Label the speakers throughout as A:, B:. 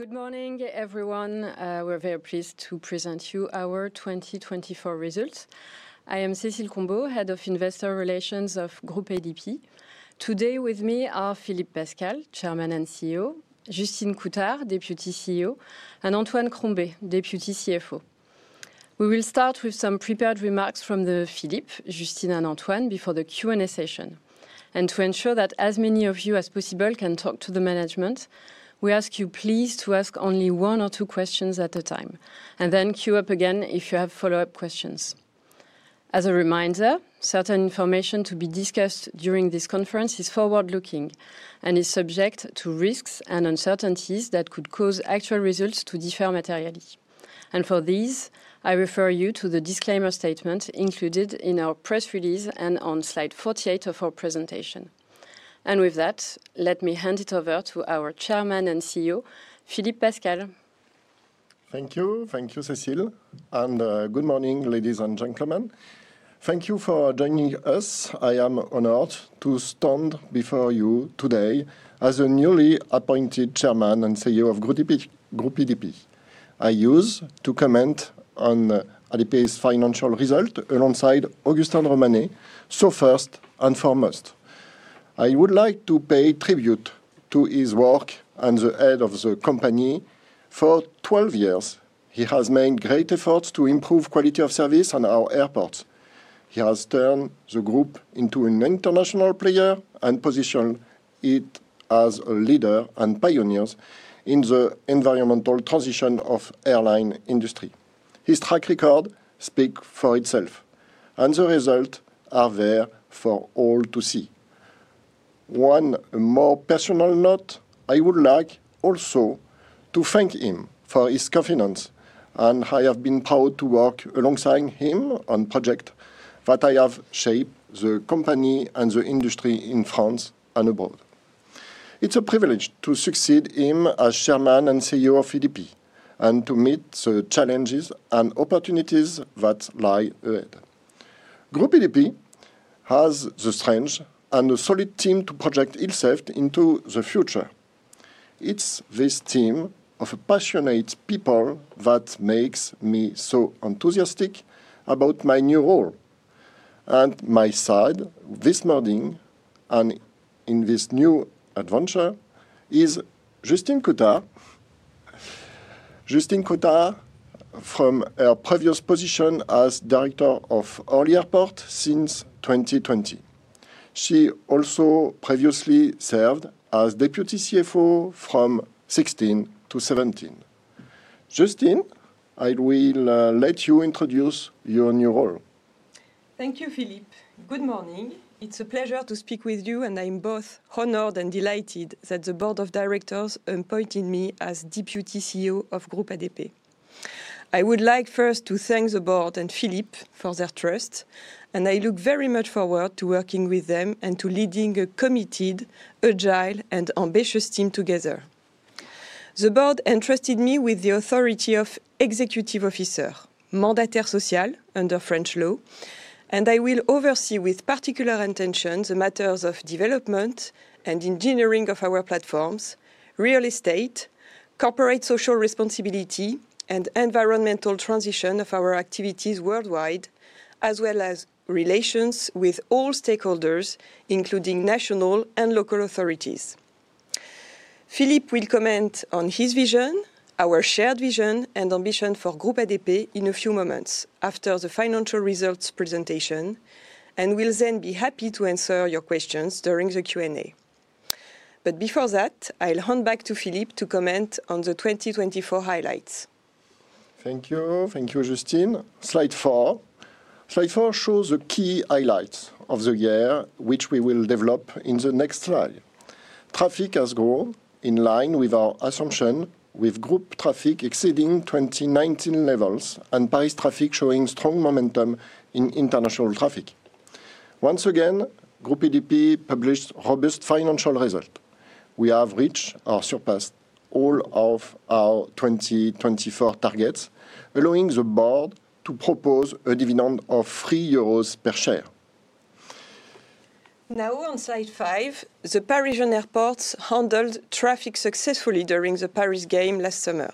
A: Good morning, everyone. We're very pleased to present to you our 2024 results. I am Cécile Combeau, Head of Investor Relations of Groupe ADP. Today with me are Philippe Pascal, Chairman and CEO; Justine Coutard, Deputy CEO; and Antoine Crombez, Deputy CFO. We will start with some prepared remarks from Philippe, Justine, and Antoine before the Q&A session, and to ensure that as many of you as possible can talk to the management, we ask you please to ask only one or two questions at a time, and then queue up again if you have follow-up questions. As a reminder, certain information to be discussed during this conference is forward-looking and is subject to risks and uncertainties that could cause actual results to differ materially, and for these, I refer you to the disclaimer statement included in our press release and on slide 48 of our presentation. With that, let me hand it over to our Chairman and CEO, Philippe Pascal.
B: Thank you. Thank you, Cécile, and good morning, ladies and gentlemen. Thank you for joining us. I am honored to stand before you today as a newly appointed Chairman and CEO of Groupe ADP. I used to comment on ADP's financial results alongside Augustin de Romanet, so first and foremost, I would like to pay tribute to his work as the head of the company. For 12 years, he has made great efforts to improve quality of service on our airports. He has turned the group into an international player and positioned it as a leader and pioneer in the environmental transition of the airline industry. His track record speaks for itself, and the results are there for all to see. One more personal note: I would like also to thank him for his confidence, and I have been proud to work alongside him on projects that have shaped the company and the industry in France and abroad. It's a privilege to succeed him as Chairman and CEO of ADP and to meet the challenges and opportunities that lie ahead. Groupe ADP has the strength and the solid team to project itself into the future. It's this team of passionate people that makes me so enthusiastic about my new role. At my side this morning and in this new adventure is Justine Coutard from her previous position as Director of Orly Airports since 2020. She also previously served as Deputy CFO from 2016 to 2017. Justine, I will let you introduce your new role.
C: Thank you, Philippe. Good morning. It's a pleasure to speak with you, and I'm both honored and delighted that the Board of Directors appointed me as Deputy CEO of Groupe ADP. I would like first to thank the board and Philippe for their trust, and I look very much forward to working with them and to leading a committed, agile, and ambitious team together. The board entrusted me with the authority of Executive Officer, mandataire social under French law, and I will oversee with particular attention the matters of development and engineering of our platforms, real estate, corporate social responsibility, and environmental transition of our activities worldwide, as well as relations with all stakeholders, including national and local authorities. Philippe will comment on his vision, our shared vision and ambition for Groupe ADP in a few moments after the financial results presentation, and will then be happy to answer your questions during the Q&A. But before that, I'll hand back to Philippe to comment on the 2024 highlights.
B: Thank you. Thank you, Justine. Slide 4. Slide 4 shows the key highlights of the year, which we will develop in the next slide. Traffic has grown in line with our assumption, with Group traffic exceeding 2019 levels and Paris traffic showing strong momentum in international traffic. Once again, Groupe ADP published robust financial results. We have reached or surpassed all of our 2024 targets, allowing the board to propose a dividend of 3 euros per share.
C: Now, on slide 5, the Parisian airports handled traffic successfully during the Paris Games last summer.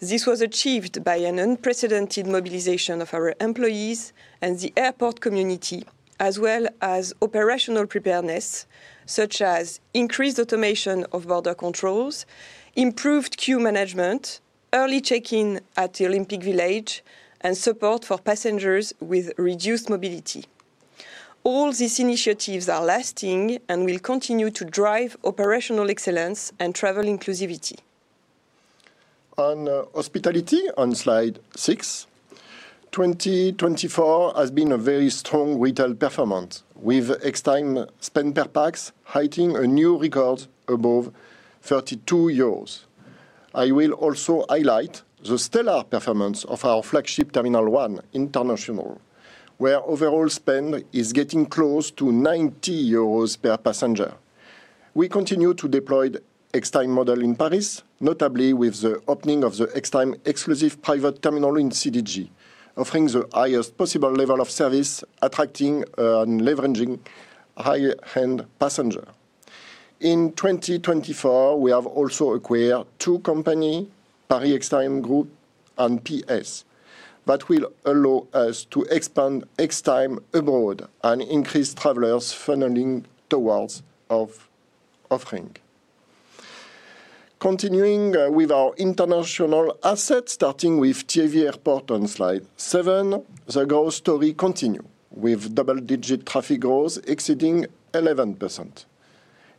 C: This was achieved by an unprecedented mobilization of our employees and the airport community, as well as operational preparedness, such as increased automation of border controls, improved queue management, early check-in at the Olympic Village, and support for passengers with reduced mobility. All these initiatives are lasting and will continue to drive operational excellence and travel inclusivity.
B: On hospitality, on slide 6, 2024 has been a very strong retail performance, with spend per pax hitting a new record above 32 euros. I will also highlight the stellar performance of our flagship Terminal 1 International, where overall spend is getting close to 90 euros per passenger. We continue to deploy the Extime model in Paris, notably with the opening of the Extime Exclusive Private Terminal in CDG, offering the highest possible level of service, attracting and leveraging high-end passengers. In 2024, we have also acquired two companies, Paris Extime Group and PS, that will allow us to expand Extime abroad and increase travelers' funneling towards our offering. Continuing with our international assets, starting with TAV Airports on slide 7, the growth story continues with double-digit traffic growth exceeding 11%.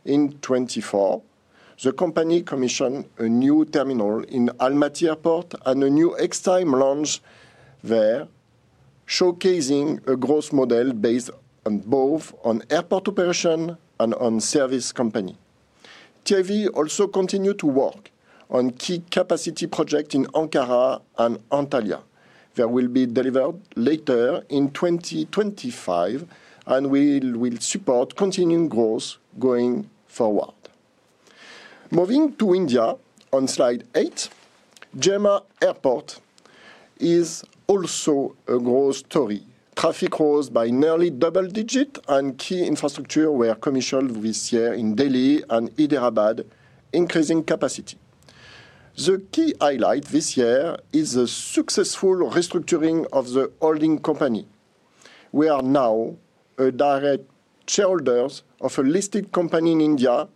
B: In 2024, the company commissioned a new terminal in Almaty Airport and a new Extime lounge there, showcasing a growth model based both on airport operation and on service company. TAV Airports also continued to work on key capacity projects in Ankara and Antalya, that will be delivered later in 2025, and will support continuing growth going forward. Moving to India, on slide 8, GMR Airports is also a growth story. Traffic grows by nearly double digits, and key infrastructure were commissioned this year in Delhi and Hyderabad, increasing capacity. The key highlight this year is the successful restructuring of the holding company. We are now direct shareholders of a listed company in India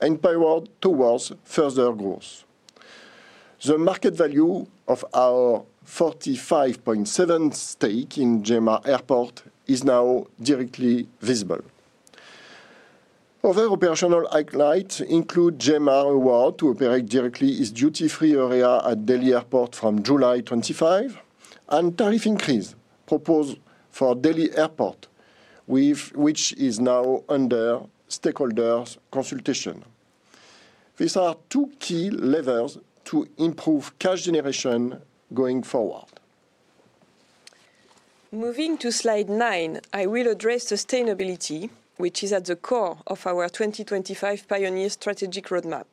B: and poised towards further growth. The market value of our 45.7% stake in GMR Airports is now directly visible. Other operational highlights include GMR Airports' award to operate directly its duty-free area at Delhi Airport from July 2025, and tariff increases proposed for Delhi Airport, which is now under stakeholders' consultation. These are two key levers to improve cash generation going forward.
C: Moving to slide 9, I will address sustainability, which is at the core of our 2025 Pioneers' Strategic Roadmap.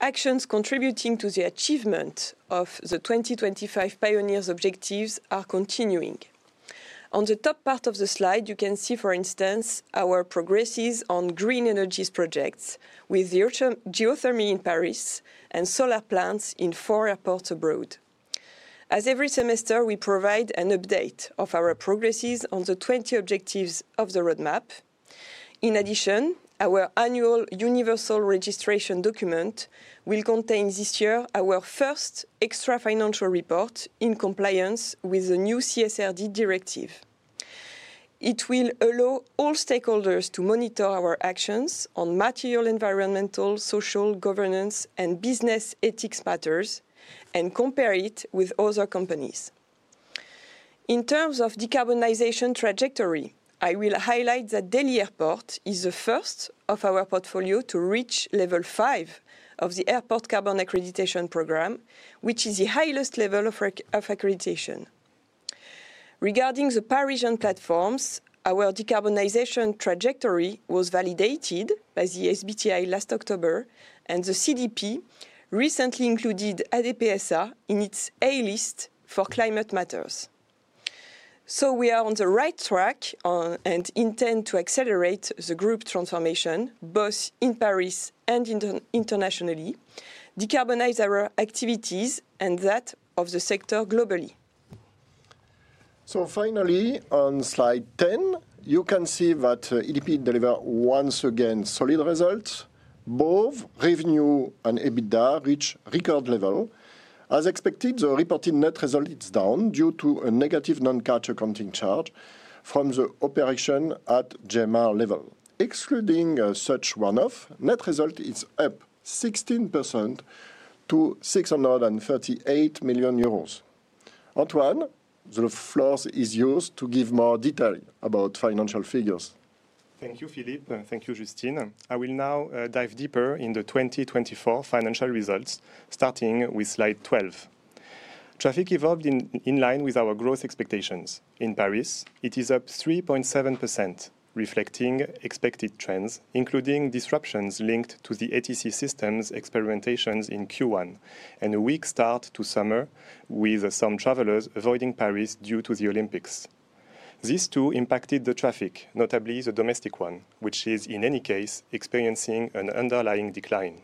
C: Actions contributing to the achievement of the 2025 Pioneers' objectives are continuing. On the top part of the slide, you can see, for instance, our progresses on green energy projects with geothermal in Paris and solar plants in four airports abroad. As every semester, we provide an update of our progresses on the 20 objectives of the roadmap. In addition, our annual universal registration document will contain this year our first extra-financial report in compliance with the new CSRD directive. It will allow all stakeholders to monitor our actions on material, environmental, social, governance, and business ethics matters and compare it with other companies. In terms of decarbonization trajectory, I will highlight that Delhi Airport is the first of our portfolio to reach Level 5 of the Airport Carbon Accreditation Program, which is the highest level of accreditation. Regarding the Parisian platforms, our decarbonization trajectory was validated by the SBTi last October, and the CDP recently included ADP SA in its A-list for climate matters. So we are on the right track and intend to accelerate the group transformation, both in Paris and internationally, decarbonize our activities and that of the sector globally.
B: So finally, on slide 10, you can see that ADP delivered once again solid results. Both revenue and EBITDA reached record levels. As expected, the reported net result is down due to a negative non-cash accounting charge from the operation at GMR level. Excluding such one-off, net result is up 16% to 638 million euros. Antoine, the floor is yours to give more detail about financial figures.
D: Thank you, Philippe. Thank you, Justine. I will now dive deeper in the 2024 financial results, starting with slide 12. Traffic evolved in line with our growth expectations. In Paris, it is up 3.7%, reflecting expected trends, including disruptions linked to the ATC system's experimentations in Q1 and a weak start to summer, with some travelers avoiding Paris due to the Olympics. These two impacted the traffic, notably the domestic one, which is, in any case, experiencing an underlying decline.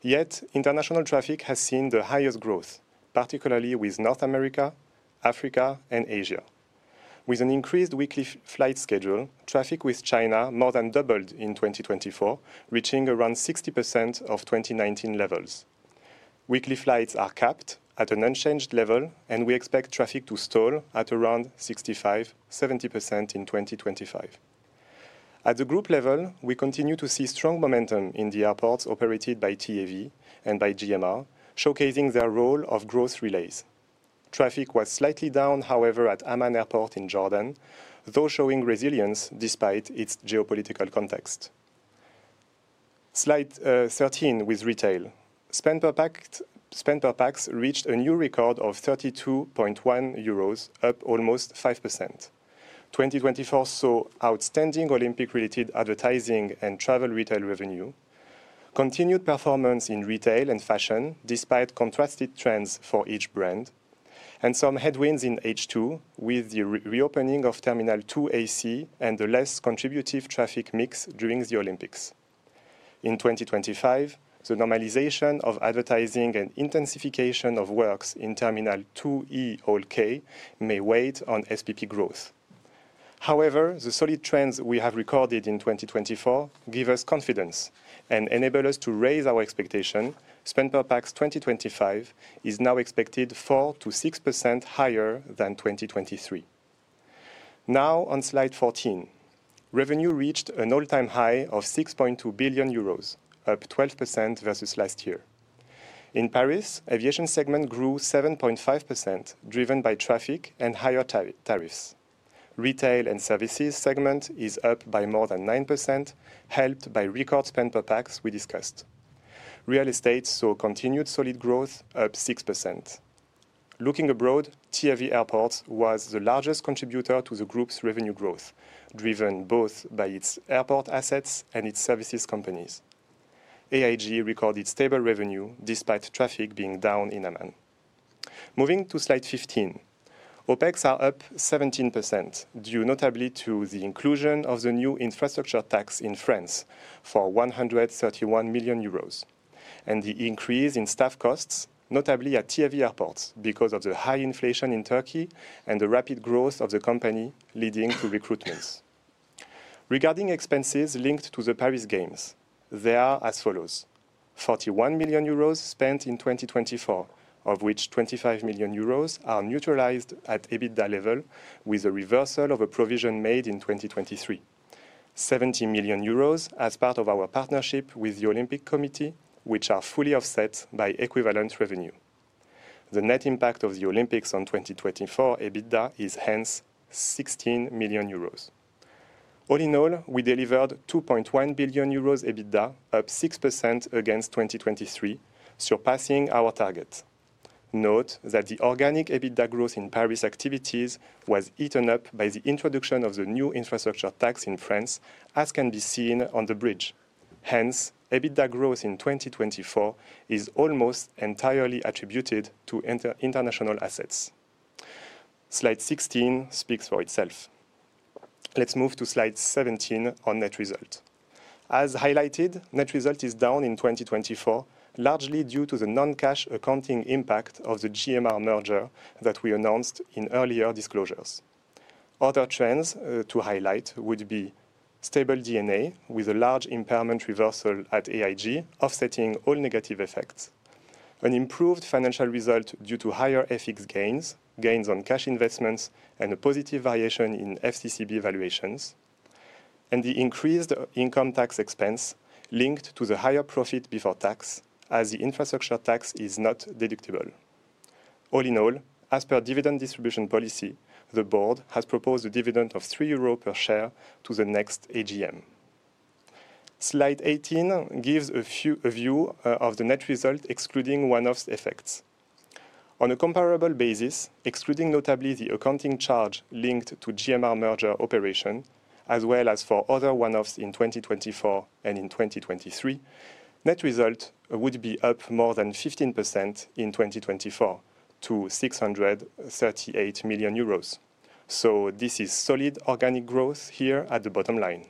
D: Yet, international traffic has seen the highest growth, particularly with North America, Africa, and Asia. With an increased weekly flight schedule, traffic with China more than doubled in 2024, reaching around 60% of 2019 levels. Weekly flights are capped at an unchanged level, and we expect traffic to stall at around 65%-70% in 2025. At the group level, we continue to see strong momentum in the airports operated by TAV Airports and by GMR Airports, showcasing their role of growth relays. Traffic was slightly down, however, at Amman Airport in Jordan, though showing resilience despite its geopolitical context. Slide 13, with retail. Spend per pax reached a new record of 32.1 euros, up almost 5%. 2024 saw outstanding Olympic-related advertising and travel retail revenue, continued performance in retail and fashion, despite contrasted trends for each brand, and some headwinds in H2, with the reopening of Terminal 2AC and the less contributive traffic mix during the Olympics. In 2025, the normalization of advertising and intensification of works in Terminal 2E Hall K may weigh on SPP growth. However, the solid trends we have recorded in 2024 give us confidence and enable us to raise our expectation: spend per pax 2025 is now expected 4%-6% higher than 2023. Now, on slide 14, revenue reached an all-time high of 6.2 billion euros, up 12% versus last year. In Paris, aviation segment grew 7.5%, driven by traffic and higher tariffs. Retail and services segment is up by more than 9%, helped by record spend per pax we discussed. Real estate saw continued solid growth, up 6%. Looking abroad, TAV Airports was the largest contributor to the group's revenue growth, driven both by its airport assets and its services companies. AIG recorded stable revenue despite traffic being down in Amman. Moving to slide 15, OPEX are up 17%, due notably to the inclusion of the new infrastructure tax in France for 131 million euros, and the increase in staff costs, notably at TAV Airports, because of the high inflation in Turkey and the rapid growth of the company, leading to recruitments. Regarding expenses linked to the Paris Games, they are as follows: 41 million euros spent in 2024, of which 25 million euros are neutralized at EBITDA level with a reversal of a provision made in 2023. 70 million euros as part of our partnership with the Olympic Committee, which are fully offset by equivalent revenue. The net impact of the Olympics on 2024 EBITDA is hence 16 million euros. All in all, we delivered 2.1 billion euros EBITDA, up 6% against 2023, surpassing our target. Note that the organic EBITDA growth in Paris activities was eaten up by the introduction of the new infrastructure tax in France, as can be seen on the bridge. Hence, EBITDA growth in 2024 is almost entirely attributed to international assets. Slide 16 speaks for itself. Let's move to slide 17 on net result. As highlighted, net result is down in 2024, largely due to the non-cash accounting impact of the GMR merger that we announced in earlier disclosures. Other trends to highlight would be stable EBITDA with a large impairment reversal at AIG, offsetting all negative effects. An improved financial result due to higher FX gains, gains on cash investments, and a positive variation in FCCB valuations. And the increased income tax expense linked to the higher profit before tax, as the infrastructure tax is not deductible. All in all, as per dividend distribution policy, the board has proposed a dividend of 3 euros per share to the next AGM. Slide 18 gives a view of the net result, excluding one-off effects. On a comparable basis, excluding notably the accounting charge linked to GMR merger operation, as well as for other one-offs in 2024 and in 2023, net result would be up more than 15% in 2024 to 638 million euros, so this is solid organic growth here at the bottom line.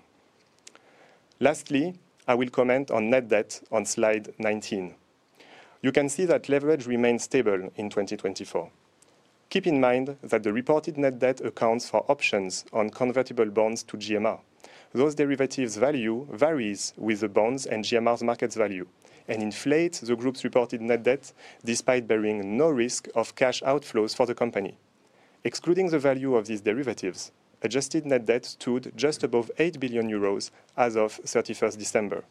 D: Lastly, I will comment on net debt on slide 19. You can see that leverage remains stable in 2024. Keep in mind that the reported net debt accounts for options on convertible bonds to GMR. Those derivatives' value varies with the bonds and GMR's market value and inflates the group's reported net debt despite bearing no risk of cash outflows for the company. Excluding the value of these derivatives, adjusted net debt stood just above 8 billion euros as of 31st December.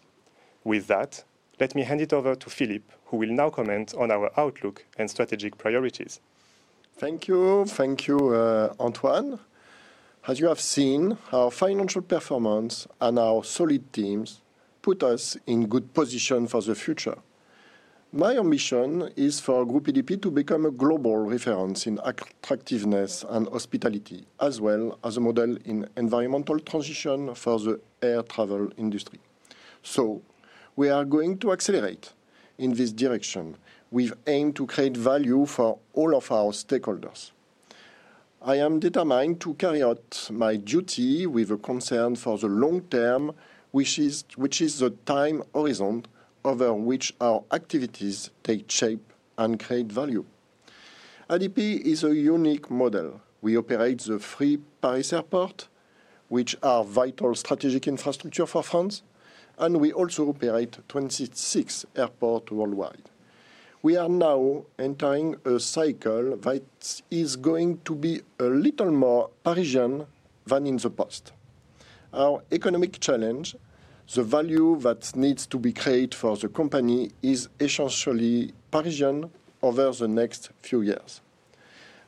D: With that, let me hand it over to Philippe, who will now comment on our outlook and strategic priorities.
B: Thank you. Thank you, Antoine. As you have seen, our financial performance and our solid teams put us in good position for the future. My ambition is for Groupe ADP to become a global reference in attractiveness and hospitality, as well as a model in environmental transition for the air travel industry. So we are going to accelerate in this direction with aim to create value for all of our stakeholders. I am determined to carry out my duty with a concern for the long term, which is the time horizon over which our activities take shape and create value. ADP is a unique model. We operate the three Paris airports, which are vital strategic infrastructure for France, and we also operate 26 airports worldwide. We are now entering a cycle that is going to be a little more Parisian than in the past. Our economic challenge, the value that needs to be created for the company, is essentially Parisian over the next few years.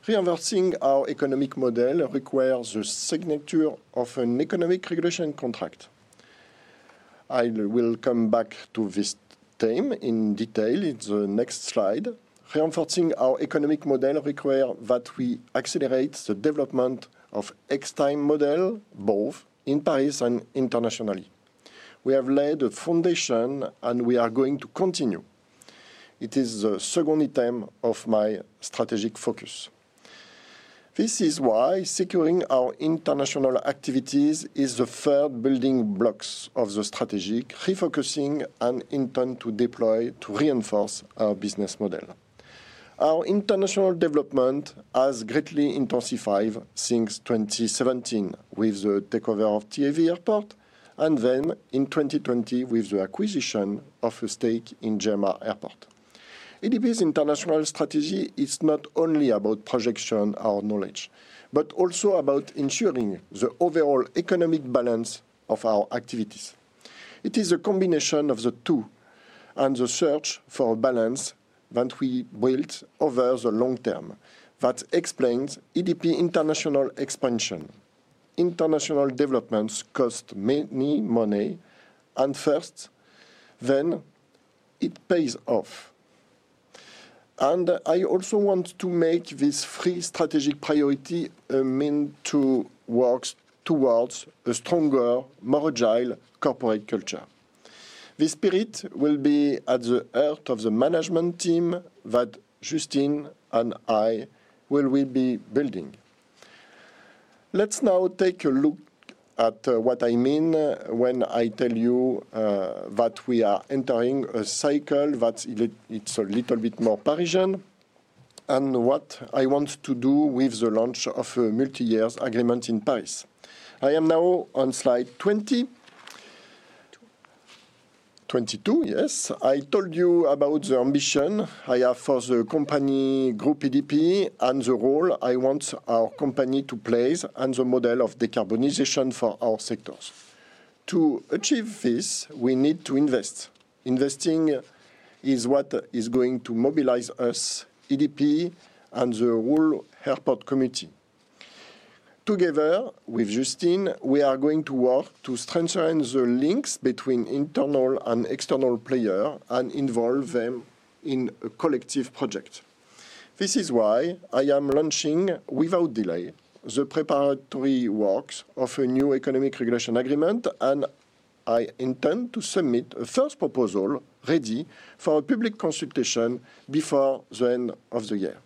B: Reinvesting our economic model requires the signature of an economic regulation contract. I will come back to this theme in detail in the next slide. Reinforcing our economic model requires that we accelerate the development of Extime model, both in Paris and internationally. We have laid a foundation, and we are going to continue. It is the second item of my strategic focus. This is why securing our international activities is the third building block of the strategy, refocusing an intent to deploy to reinforce our business model. Our international development has greatly intensified since 2017 with the takeover of TAV Airports, and then in 2020 with the acquisition of a stake in GMR Airports. ADP's international strategy is not only about projection or knowledge, but also about ensuring the overall economic balance of our activities. It is a combination of the two and the search for balance that we built over the long term that explains ADP's international expansion. International developments cost many money at first, then it pays off, and I also want to make this three strategic priorities a means to work towards a stronger, more agile corporate culture. This spirit will be at the heart of the management team that Justine and I will be building. Let's now take a look at what I mean when I tell you that we are entering a cycle that's a little bit more Parisian and what I want to do with the launch of a multi-year agreement in Paris. I am now on slide 20, 22, yes. I told you about the ambition I have for the company, Groupe ADP, and the role I want our company to play and the model of decarbonization for our sectors. To achieve this, we need to invest. Investing is what is going to mobilize us, ADP, and the whole airport community. Together with Justine, we are going to work to strengthen the links between internal and external players and involve them in a collective project. This is why I am launching, without delay, the preparatory works of a new economic regulation agreement, and I intend to submit a first proposal ready for public consultation before the end of the year.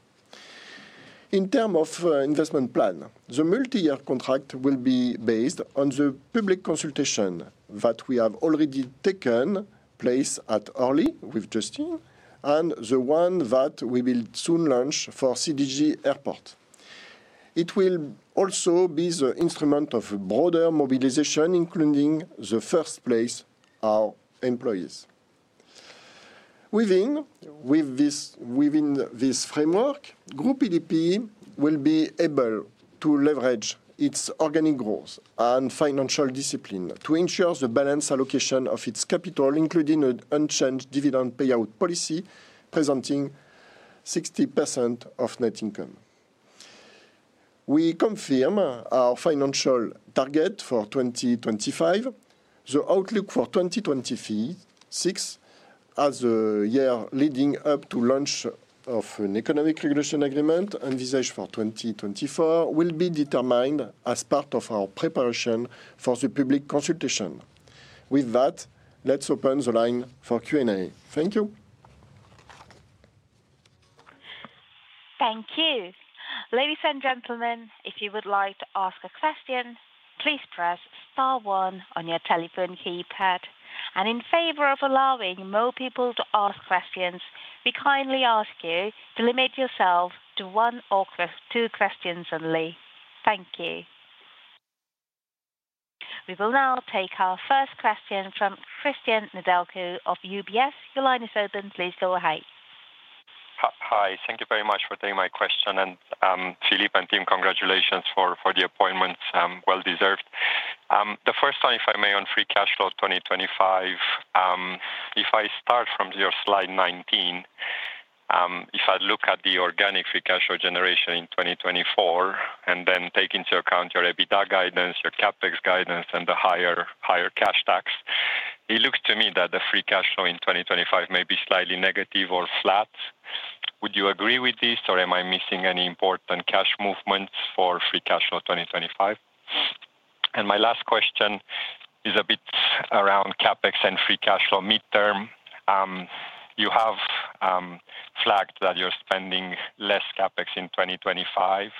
B: In terms of investment plan, the multi-year contract will be based on the public consultation that we have already taken place at Orly with Justine and the one that we will soon launch for CDG Airport. It will also be the instrument of a broader mobilization, including, in the first place, our employees. Within this framework, Groupe ADP will be able to leverage its organic growth and financial discipline to ensure the balanced allocation of its capital, including an unchanged dividend payout policy representing 60% of net income. We confirm our financial target for 2025. The outlook for 2026, as the year leading up to the launch of an economic regulation agreement envisaged for 2024, will be determined as part of our preparation for the public consultation. With that, let's open the line for Q&A. Thank you.
E: Thank you. Ladies and gentlemen, if you would like to ask a question, please press star one on your telephone keypad. And in favor of allowing more people to ask questions, we kindly ask you to limit yourself to one or two questions only. Thank you. We will now take our first question from Cristian Nedelcu of UBS. Your line is open. Please go ahead.
F: Hi. Thank you very much for taking my question. And Philippe and team, congratulations for the appointment. Well-deserved. The first time, if I may, on free cash flow 2025, if I start from your slide 19, if I look at the organic free cash flow generation in 2024, and then take into account your EBITDA guidance, your CapEx guidance, and the higher cash tax, it looks to me that the free cash flow in 2025 may be slightly negative or flat. Would you agree with this, or am I missing any important cash movements for free cash flow 2025? And my last question is a bit around CapEx and free cash flow midterm. You have flagged that you're spending less CapEx in 2025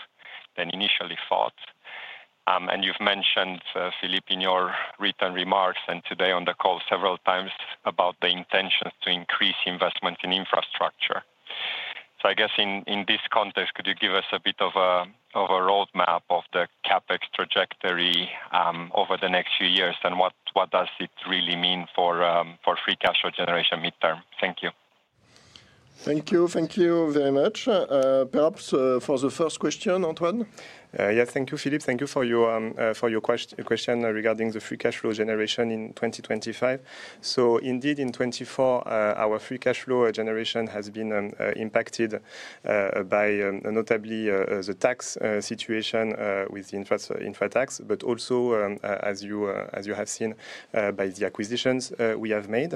F: than initially thought. And you've mentioned, Philippe, in your written remarks and today on the call several times about the intentions to increase investment in infrastructure. So I guess in this context, could you give us a bit of a roadmap of the CAPEX trajectory over the next few years, and what does it really mean for free cash flow generation midterm? Thank you.
B: Thank you. Thank you very much. Perhaps for the first question, Antoine?
D: Yes. Thank you, Philippe. Thank you for your question regarding the Free Cash Flow generation in 2025. So indeed, in 2024, our Free Cash Flow generation has been impacted by notably the tax situation with the infra tax, but also, as you have seen, by the acquisitions we have made,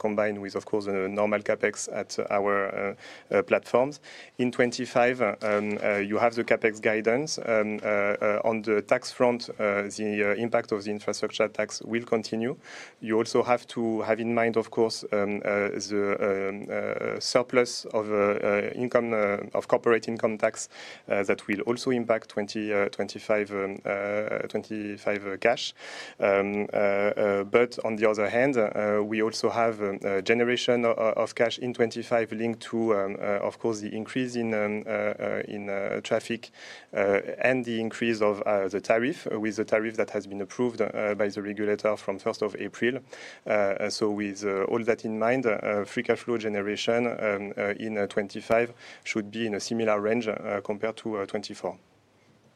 D: combined with, of course, the normal CAPEX at our platforms. In 2025, you have the CAPEX guidance. On the tax front, the impact of the Infrastructure Tax will continue. You also have to have in mind, of course, the surplus of corporate income tax that will also impact 2025 cash. But on the other hand, we also have a generation of cash in 2025 linked to, of course, the increase in traffic and the increase of the tariff, with the tariff that has been approved by the regulator from 1st of April. So with all that in mind, free cash flow generation in 2025 should be in a similar range compared to 2024.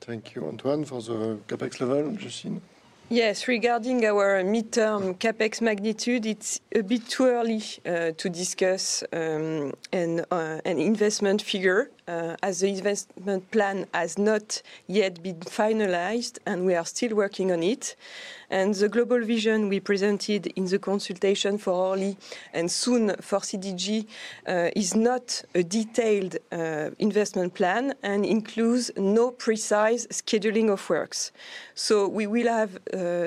B: Thank you, Antoine, for the CapEx level. Justine?
C: Yes. Regarding our midterm CapEx magnitude, it's a bit too early to discuss an investment figure as the investment plan has not yet been finalized, and we are still working on it. And the global vision we presented in the consultation for Orly and soon for CDG is not a detailed investment plan and includes no precise scheduling of works. So we will have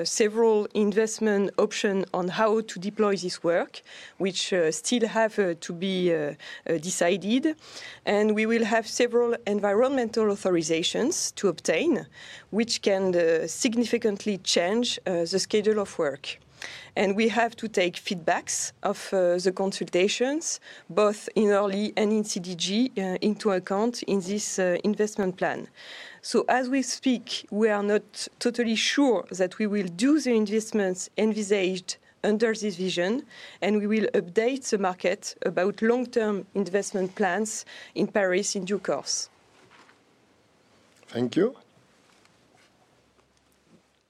C: several investment options on how to deploy this work, which still have to be decided. And we will have several environmental authorizations to obtain, which can significantly change the schedule of work. And we have to take feedbacks of the consultations, both in Orly and in CDG, into account in this investment plan. So as we speak, we are not totally sure that we will do the investments envisaged under this vision, and we will update the market about long-term investment plans in Paris in due course.
B: Thank you.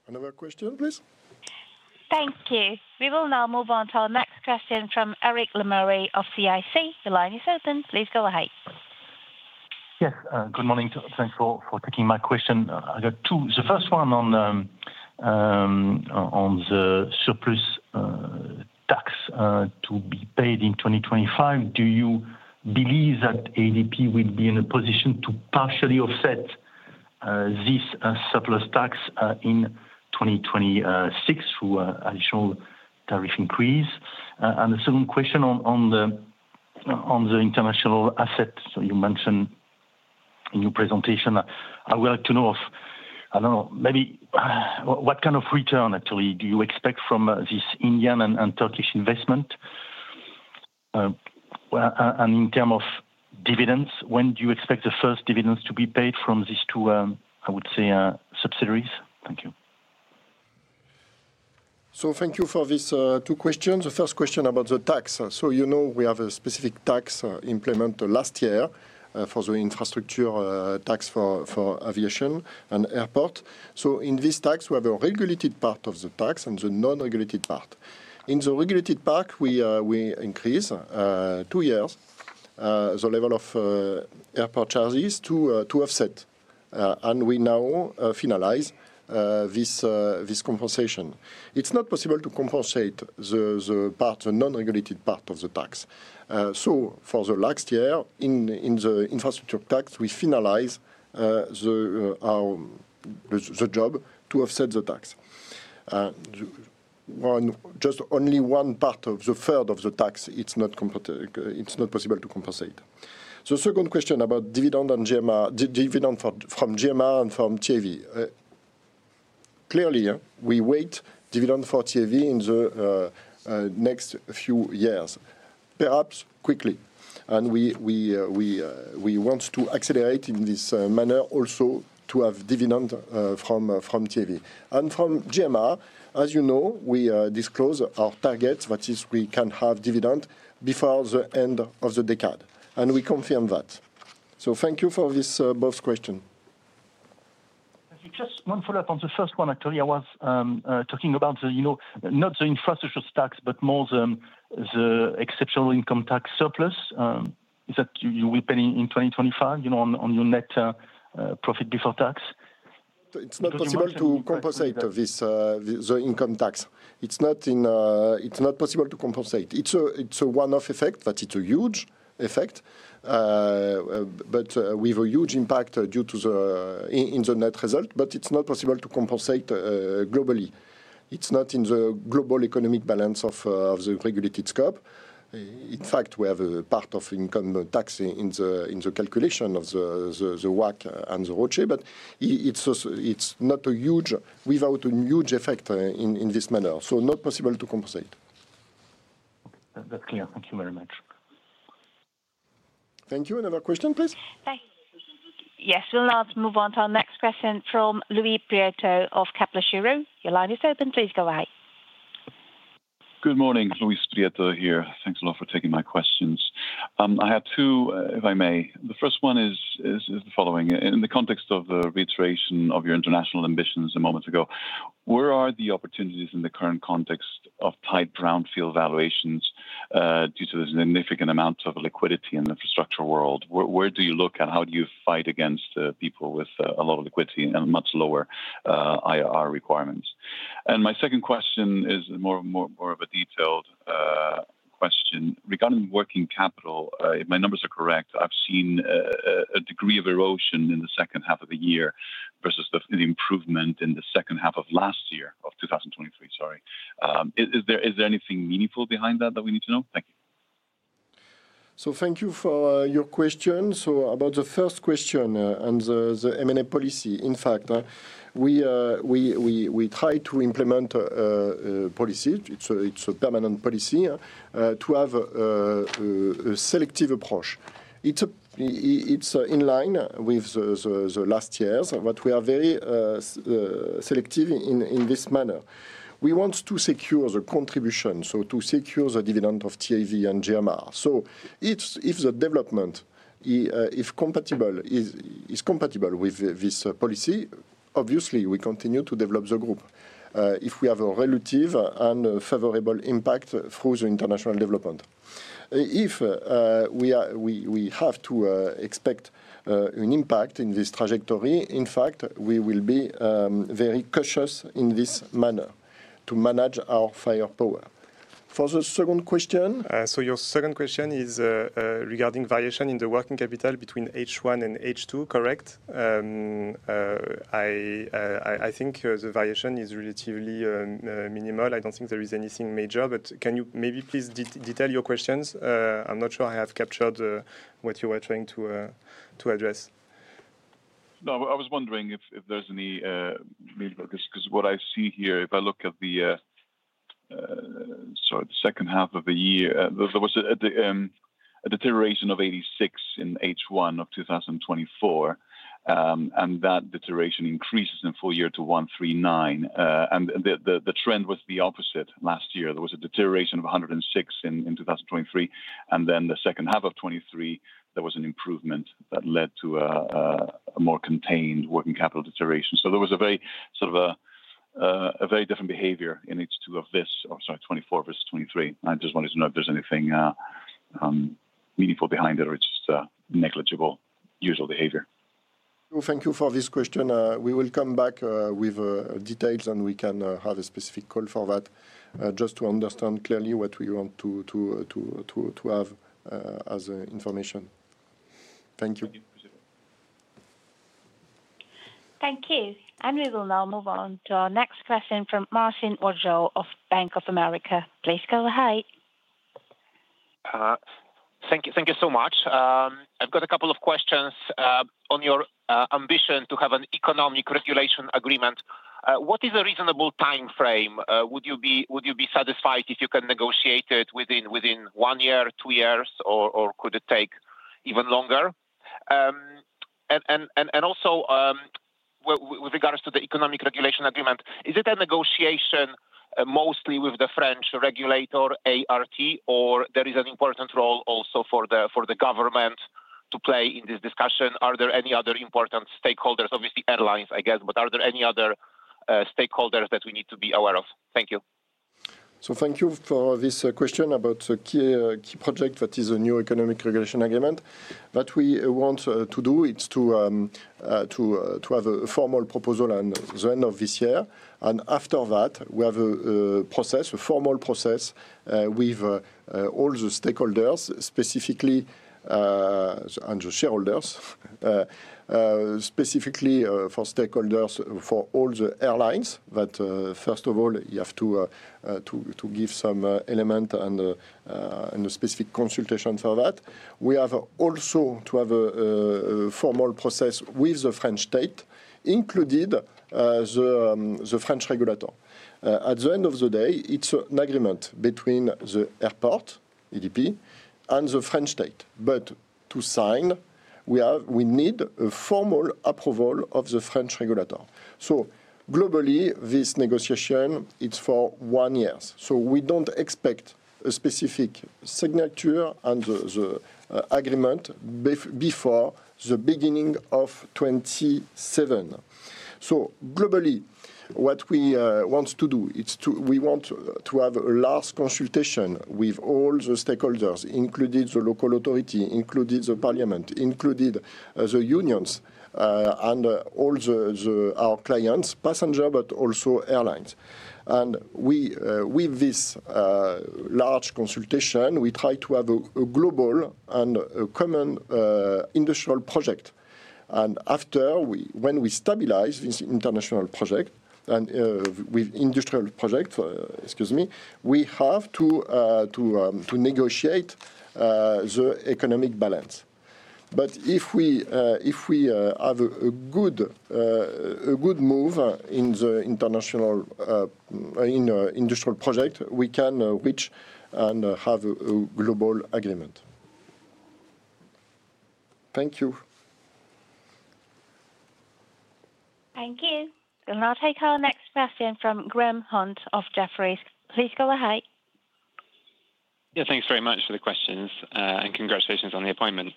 B: Another question, please.
E: Thank you. We will now move on to our next question from Eric Lemarié of CIC. The line is open. Please go ahead.
G: Yes. Good morning. Thanks for taking my question. The first one on the surplus tax to be paid in 2025, do you believe that ADP will be in a position to partially offset this surplus tax in 2026 through an additional tariff increase? And the second question on the international asset you mentioned in your presentation, I would like to know if, I don't know, maybe what kind of return actually do you expect from this Indian and Turkish investment? And in terms of dividends, when do you expect the first dividends to be paid from these two, I would say, subsidiaries? Thank you.
B: So thank you for these two questions. The first question about the tax. So you know we have a specific tax implemented last year for the infrastructure tax for aviation and airport. So in this tax, we have a regulated part of the tax and the non-regulated part. In the regulated part, we increase two years the level of airport charges to offset. And we now finalize this compensation. It's not possible to compensate the non-regulated part of the tax. So for the last year in the infrastructure tax, we finalize the job to offset the tax. Just only one-third of the tax, it's not possible to compensate. The second question about dividend from GMR and from TAV. Clearly, we wait dividend for TAV in the next few years, perhaps quickly. And we want to accelerate in this manner also to have dividend from TAV. From GMR, as you know, we disclose our target, that is, we can have dividend before the end of the decade. We confirm that. Thank you for both questions.
G: Just one follow-up on the first one, actually. I was talking about not the Infrastructure Tax, but more the exceptional income tax surplus that you will pay in 2025 on your net profit before tax.
B: It's not possible to compensate the income tax. It's not possible to compensate. It's a one-off effect, but it's a huge effect, but with a huge impact in the net result. But it's not possible to compensate globally. It's not in the global economic balance of the regulated scope. In fact, we have a part of income tax in the calculation of the WACC and the ROCE, but it's not a huge without a huge effect in this manner. So not possible to compensate.
G: That's clear. Thank you very much.
B: Thank you. Another question, please.
E: Yes. We'll now move on to our next question from Luis Prieto of Kepler Cheuvreux. Your line is open. Please go ahead.
H: Good morning. Luis Prieto here. Thanks a lot for taking my questions. I have two, if I may. The first one is the following. In the context of the reiteration of your international ambitions a moment ago, where are the opportunities in the current context of tight brownfield valuations due to the significant amount of liquidity in the infrastructure world? Where do you look and how do you fight against people with a lot of liquidity and much lower IRR requirements? And my second question is more of a detailed question. Regarding working capital, if my numbers are correct, I've seen a degree of erosion in the H2 of the year versus the improvement in the H2 of last year, of 2023, sorry. Is there anything meaningful behind that that we need to know? Thank you.
B: So thank you for your question. So about the first question and the M&A policy, in fact, we try to implement a policy. It's a permanent policy to have a selective approach. It's in line with the last years, but we are very selective in this manner. We want to secure the contribution, so to secure the dividend of TAV and GMR. So if the development is compatible with this policy, obviously, we continue to develop the group if we have a relative and favorable impact through the international development. If we have to expect an impact in this trajectory, in fact, we will be very cautious in this manner to manage our firepower. For the second question.
D: So your second question is regarding variation in the working capital between H1 and H2, correct? I think the variation is relatively minimal. I don't think there is anything major. But can you maybe please detail your questions? I'm not sure I have captured what you were trying to address.
H: No, I was wondering if there's any because what I see here, if I look at the H2 of the year, there was a deterioration of 86 in H1 of 2024, and that deterioration increases in full year to 139. The trend was the opposite. Last year, there was a deterioration of 106 in 2023, and then the H2 of 2023, there was an improvement that led to a more contained working capital deterioration. So there was a very sort of a very different behavior in H2 of this, sorry, 24 versus 23. I just wanted to know if there's anything meaningful behind it or it's just negligible usual behavior.
B: Thank you for this question. We will come back with details, and we can have a specific call for that, just to understand clearly what we want to have as information. Thank you.
E: Thank you, and we will now move on to our next question from Marcin Wojtal of Bank of America. Please go ahead.
I: Thank you so much. I've got a couple of questions on your ambition to have an economic regulation agreement. What is a reasonable time frame? Would you be satisfied if you can negotiate it within one year, two years, or could it take even longer? And also, with regards to the economic regulation agreement, is it a negotiation mostly with the French regulator, ART, or there is an important role also for the government to play in this discussion? Are there any other important stakeholders, obviously airlines, I guess, but are there any other stakeholders that we need to be aware of? Thank you.
B: So thank you for this question about the key project that is a new economic regulation agreement. What we want to do is to have a formal proposal at the end of this year. And after that, we have a process, a formal process with all the stakeholders, specifically and the shareholders, specifically for stakeholders for all the airlines. But first of all, you have to give some element and a specific consultation for that. We have also to have a formal process with the French state, included the French regulator. At the end of the day, it's an agreement between the airport, ADP, and the French state. But to sign, we need a formal approval of the French regulator. So globally, this negotiation, it's for one year. So we don't expect a specific signature and the agreement before the beginning of 2027. So globally, what we want to do is we want to have a last consultation with all the stakeholders, including the local authority, including the Parliament, including the unions, and all our clients, passenger, but also airlines. And with this large consultation, we try to have a global and a common industrial project. And after, when we stabilize this international project and with industrial project, excuse me, we have to negotiate the economic balance. But if we have a good move in the industrial project, we can reach and have a global agreement.
I: Thank you.
E: Thank you. We'll now take our next question from Graham Hunt of Jefferies. Please go ahead.
J: Yeah, thanks very much for the questions and congratulations on the appointment.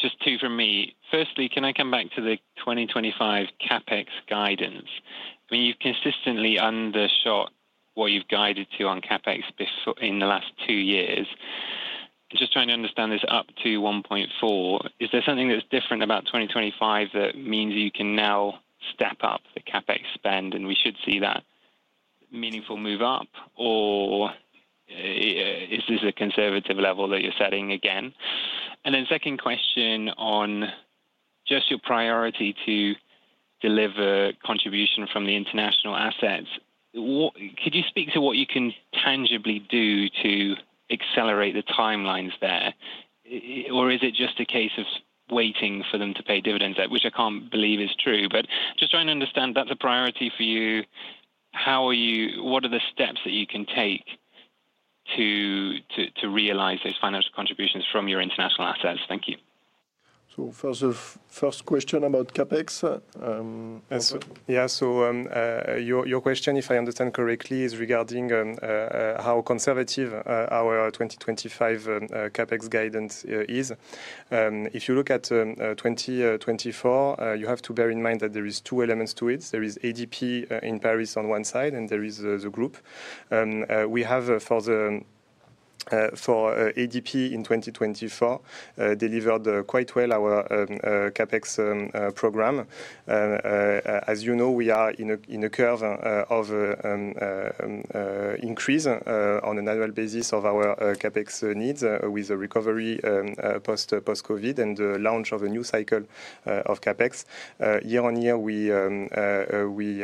J: Just two from me. Firstly, can I come back to the 2025 CAPEX guidance? I mean, you've consistently undershot what you've guided to on CAPEX in the last two years. I'm just trying to understand this up to 1.4. Is there something that's different about 2025 that means you can now step up the CAPEX spend, and we should see that meaningful move up, or is this a conservative level that you're setting again? And then second question on just your priority to deliver contribution from the international assets. Could you speak to what you can tangibly do to accelerate the timelines there, or is it just a case of waiting for them to pay dividends, which I can't believe is true? But just trying to understand, that's a priority for you. What are the steps that you can take to realize those financial contributions from your international assets? Thank you.
B: First question about CAPEX.
D: Yes. Yeah, so your question, if I understand correctly, is regarding how conservative our 2025 CAPEX guidance is. If you look at 2024, you have to bear in mind that there are two elements to it. There is ADP in Paris on one side, and there is the group. We have, for ADP in 2024, delivered quite well our CAPEX program. As you know, we are in a curve of increase on an annual basis of our CAPEX needs with the recovery post-COVID and the launch of a new cycle of CAPEX. Year on year, we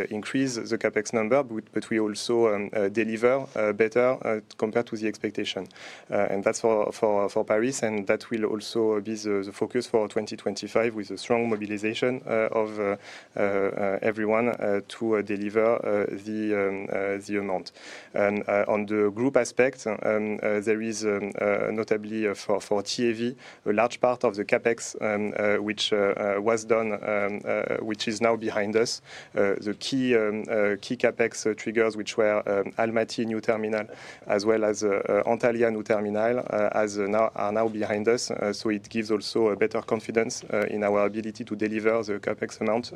D: increase the CAPEX number, but we also deliver better compared to the expectation, and that's for Paris, and that will also be the focus for 2025 with a strong mobilization of everyone to deliver the amount. And on the group aspect, there is notably for TAV, a large part of the CAPEX, which was done, which is now behind us. The key CAPEX triggers, which were Almaty new terminal as well as Antalya new terminal, are now behind us. So it gives also better confidence in our ability to deliver the CAPEX amount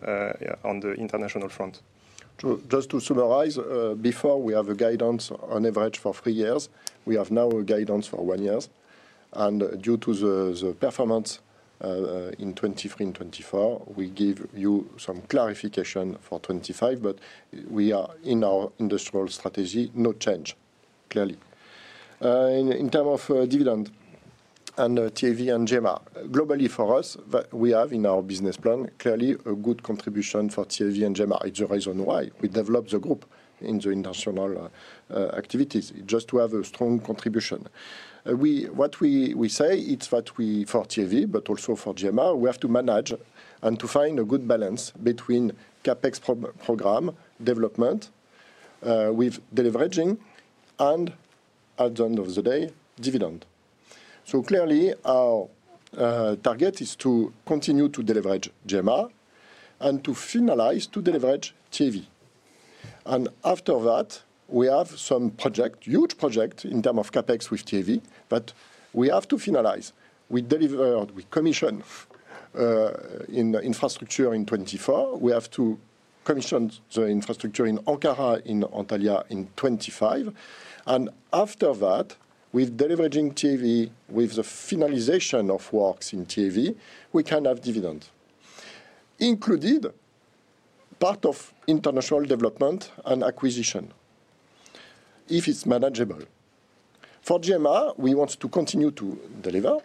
D: on the international front.
B: Just to summarize, before we have a guidance on average for three years, we have now a guidance for one year. And due to the performance in 2023 and 2024, we give you some clarification for 2025, but we are in our industrial strategy, no change, clearly. In terms of dividend and TAV and GMR, globally for us, we have in our business plan clearly a good contribution for TAV and GMR. It's the reason why we develop the group in the international activities, just to have a strong contribution. What we say is that for TAV, but also for GMR, we have to manage and to find a good balance between CAPEX program development with delivering and at the end of the day, dividend. Our target is to continue to deliver GMR and to finalize to deliver TAV. After that, we have some projects, huge projects in terms of CAPEX with TAV, but we have to finalize. We delivered, we commissioned infrastructure in 2024. We have to commission the infrastructure in Ankara in Antalya in 2025. After that, with delivering TAV, with the finalization of works in TAV, we can have dividends, including part of international development and acquisition, if it's manageable. For GMR, we want to continue to deliver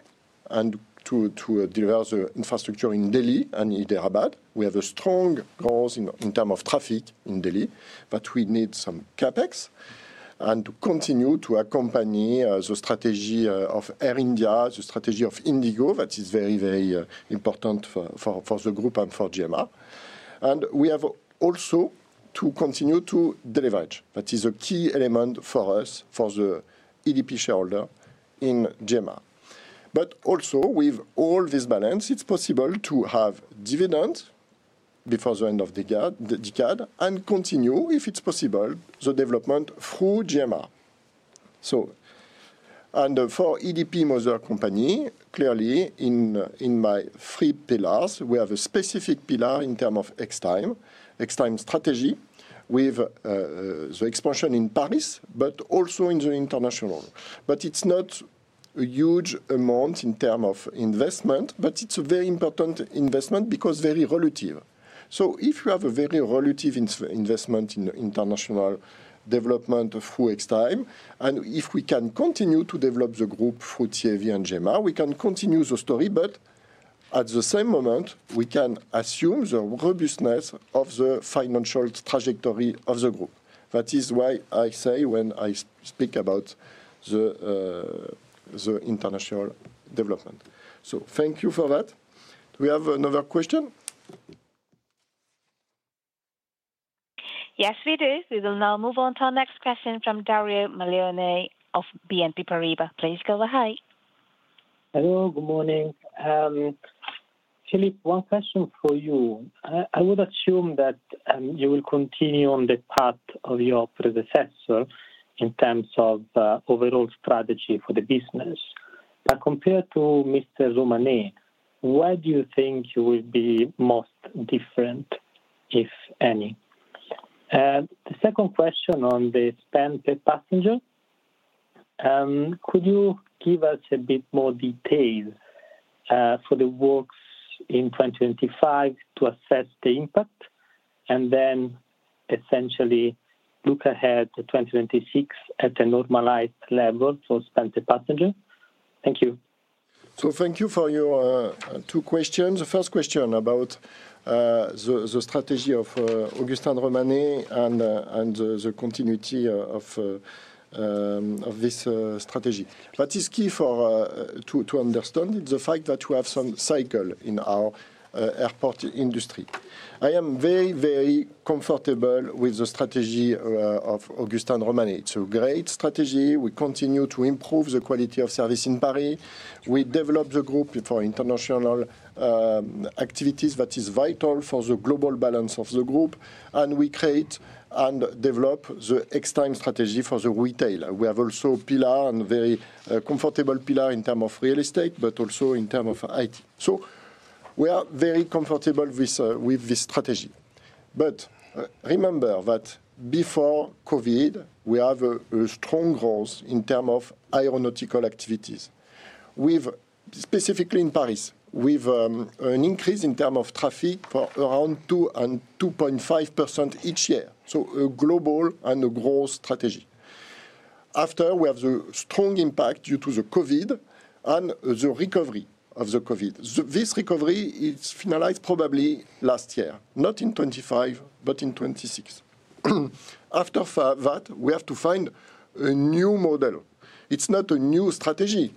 B: and to deliver the infrastructure in Delhi and in Hyderabad. We have a strong growth in terms of traffic in Delhi, but we need some CAPEX and to continue to accompany the strategy of Air India, the strategy of IndiGo that is very, very important for the group and for GMR. And we have also to continue to deliver. That is a key element for us, for the ADP shareholder in GMR. But also, with all this balance, it's possible to have dividends before the end of the decade and continue, if it's possible, the development through GMR. And for ADP, our company, clearly, in my three pillars, we have a specific pillar in terms of Extime, Extime strategy with the expansion in Paris, but also in the international. But it's not a huge amount in terms of investment, but it's a very important investment because very relevant. So if you have a very relevant investment in international development through Extime, and if we can continue to develop the group through TAV and GMR, we can continue the story. But at the same moment, we can assume the robustness of the financial trajectory of the group. That is why I say when I speak about the international development. So thank you for that. Do we have another question?
E: Yes, we do. We will now move on to our next question from Dario Maglione of BNP Paribas. Please go ahead.
K: Hello, good morning. Philippe, one question for you. I would assume that you will continue on the path of your predecessor in terms of overall strategy for the business. But compared to Mr. de Romanet, where do you think you will be most different, if any? The second question on the spend per passenger. Could you give us a bit more details for the works in 2025 to assess the impact and then essentially look ahead to 2026 at a normalized level for spend per passenger? Thank you.
B: Thank you for your two questions. The first question about the strategy of Augustin de Romanet and the continuity of this strategy. What is key to understand is the fact that you have some cycle in our airport industry. I am very, very comfortable with the strategy of Augustin de Romanet. It's a great strategy. We continue to improve the quality of service in Paris. We develop the group for international activities that is vital for the global balance of the group. And we create and develop the Extime strategy for the retail. We have also a pillar and a very comfortable pillar in terms of real estate, but also in terms of IT. We are very comfortable with this strategy. But remember that before COVID, we have a strong growth in terms of aeronautical activities, specifically in Paris, with an increase in terms of traffic for around 2.5% each year. So a global and a growth strategy. After, we have the strong impact due to the COVID and the recovery of the COVID. This recovery is finalized probably last year, not in 2025, but in 2026. After that, we have to find a new model. It's not a new strategy.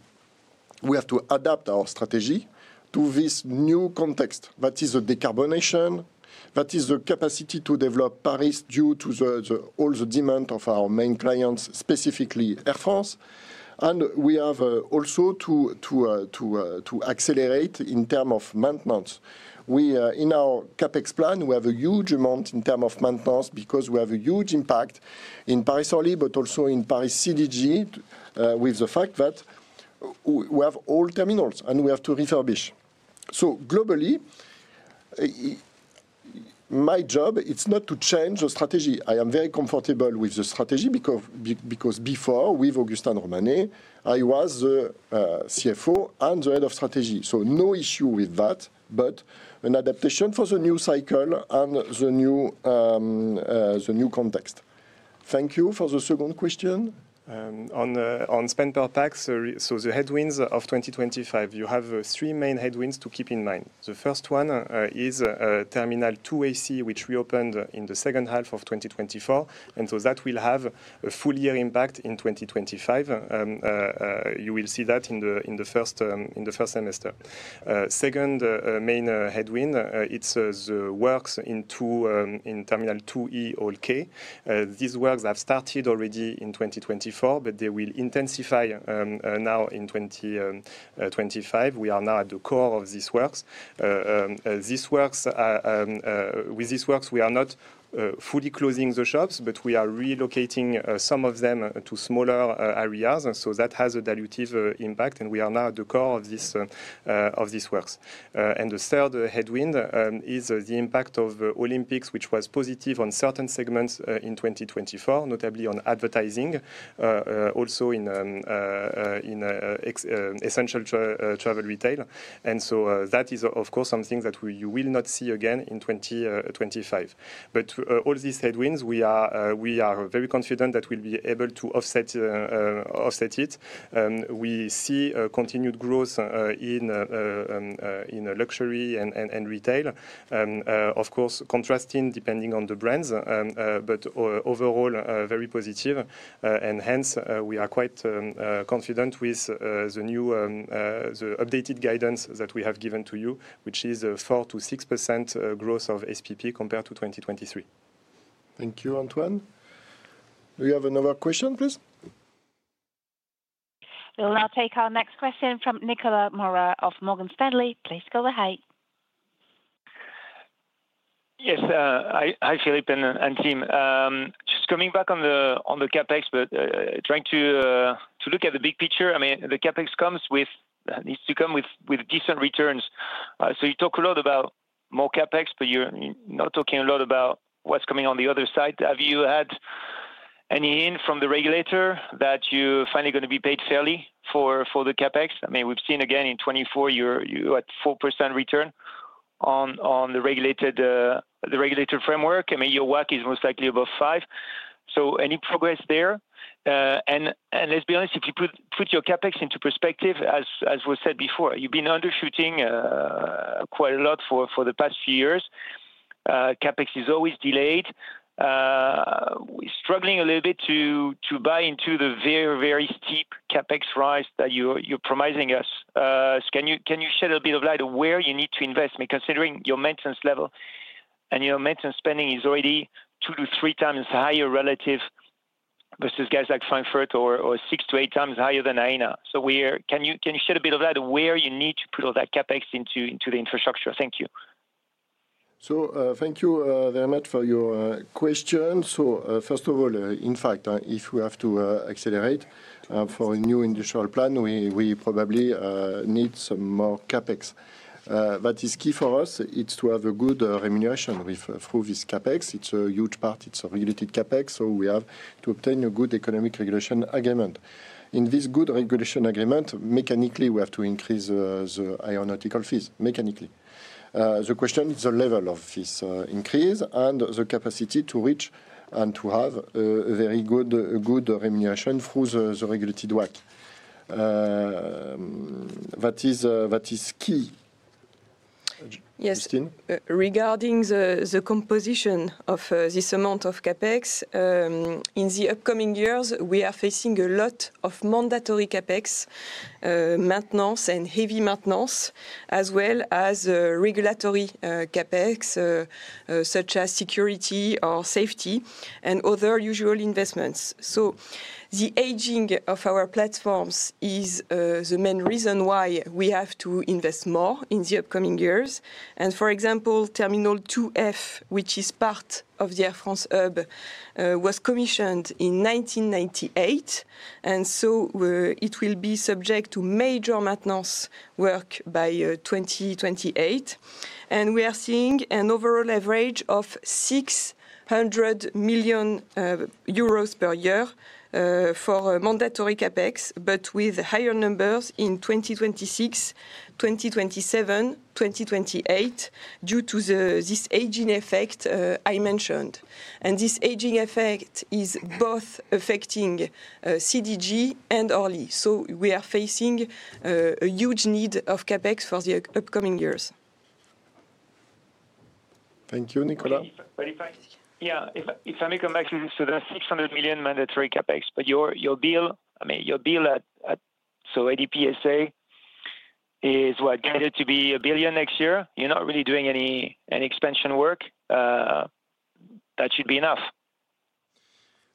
B: We have to adapt our strategy to this new context. That is the decarbonization. That is the capacity to develop Paris due to all the demand of our main clients, specifically Air France, and we have also to accelerate in terms of maintenance. In our CAPEX plan, we have a huge amount in terms of maintenance because we have a huge impact in Paris Orly, but also in Paris CDG with the fact that we have all terminals and we have to refurbish. So globally, my job, it's not to change the strategy. I am very comfortable with the strategy because before, with Augustin de Romanet, I was the CFO and the head of strategy. So no issue with that, but an adaptation for the new cycle and the new context. Thank you for the second question.
D: On spend per pax or so the headwinds of 2025, you have three main headwinds to keep in mind. The first one is Terminal 2AC, which reopened in the H2 of 2024, and so that will have a full year impact in 2025. You will see that in the first semester. Second main headwind, it's the works in Terminal 2E or K. These works have started already in 2024, but they will intensify now in 2025. We are now at the core of these works. With these works, we are not fully closing the shops, but we are relocating some of them to smaller areas. So that has a dilutive impact, and we are now at the core of these works. The third headwind is the impact of the Olympics, which was positive on certain segments in 2024, notably on advertising, also in essential travel retail. And so that is, of course, something that you will not see again in 2025. But all these headwinds, we are very confident that we'll be able to offset it. We see continued growth in luxury and retail, of course, contrasting depending on the brands, but overall very positive. And hence, we are quite confident with the updated guidance that we have given to you, which is 4%-6% growth of SPP compared to 2023.
B: Thank you, Antoine. Do you have another question, please?
E: We'll now take our next question from Nicolas Mora of Morgan Stanley. Please go ahead.
L: Yes. Hi, Philippe and team. Just coming back on the CAPEX, but trying to look at the big picture. I mean, the CAPEX comes with needs to come with decent returns. So you talk a lot about more CAPEX, but you're not talking a lot about what's coming on the other side. Have you had any hint from the regulator that you're finally going to be paid fairly for the CAPEX? I mean, we've seen again in 2024, you're at 4% return on the regulated framework. I mean, your WACC is most likely above 5%. So any progress there? And let's be honest, if you put your CAPEX into perspective, as was said before, you've been undershooting quite a lot for the past few years. CAPEX is always delayed. We're struggling a little bit to buy into the very, very steep CAPEX rise that you're promising us. Can you shed a bit of light on where you need to invest? I mean, considering your maintenance level and your maintenance spending is already two to three times higher relative versus guys like Frankfurt or six to eight times higher than AENA. So can you shed a bit of light on where you need to put all that CAPEX into the infrastructure? Thank you.
B: So thank you very much for your question. So first of all, in fact, if we have to accelerate for a new industrial plan, we probably need some more CAPEX. What is key for us is to have a good remuneration through this CAPEX. It's a huge part. It's a regulated CAPEX. So we have to obtain a good economic regulation agreement. In this good regulation agreement, mechanically, we have to increase the aeronautical fees mechanically. The question is the level of this increase and the capacity to reach and to have a very good remuneration through the regulated WACC. What is key?
C: Yes. Regarding the composition of this amount of CapEx, in the upcoming years, we are facing a lot of mandatory CapEx maintenance and heavy maintenance, as well as regulatory CapEx, such as security or safety and other usual investments. So the aging of our platforms is the main reason why we have to invest more in the upcoming years. And for example, Terminal 2F, which is part of the Air France hub, was commissioned in 1998. And so it will be subject to major maintenance work by 2028. And we are seeing an overall average of 600 million euros per year for mandatory CapEx, but with higher numbers in 2026, 2027, 2028, due to this aging effect I mentioned. And this aging effect is both affecting CDG and Orly. So we are facing a huge need of CapEx for the upcoming years.
B: Thank you, Nicolas.
L: Yeah. If I may come back to the 600 million mandatory CAPEX, but your build, I mean, your build at, so, ADP SA is what, needed to be 1 billion next year. You're not really doing any expansion work. That should be enough.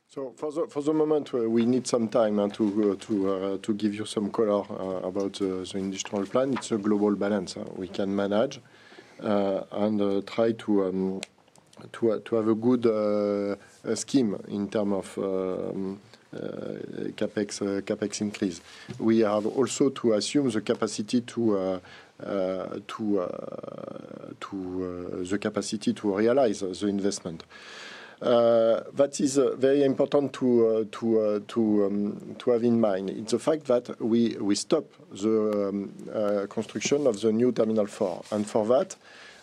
B: So for the moment, we need some time to give you some color about the industrial plan. It's a global balance we can manage and try to have a good scheme in terms of CAPEX increase. We have also to assume the capacity to realize the investment. That is very important to have in mind. It's the fact that we stop the construction of the new Terminal 4. And for that,